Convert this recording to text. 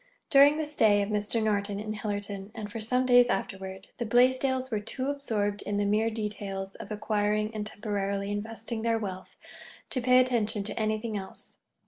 During the stay of Mr. Norton in Hillerton, and for some days afterward, the Blaisdells were too absorbed in the mere details of acquiring and temporarily investing their wealth to pay attention to anything else.